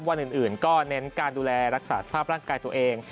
วันอื่นก็เน้นการดูแลรักษาสภาพร่างกายตัวเอง